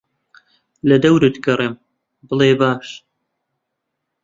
لەدەورت گەڕێم بڵێ باش